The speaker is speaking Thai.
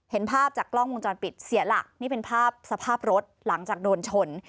เห็นภาพจากกล้องวงจรปิดเสียหลักนี่เป็นภาพสภาพรถหลังจากโดนชน